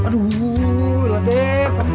aduh lah dev